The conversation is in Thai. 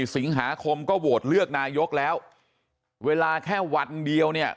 สิงหาคมก็โหวตเลือกนายกแล้วเวลาแค่วันเดียวเนี่ย